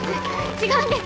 違うんです。